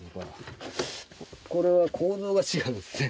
これは構造が違うんですね。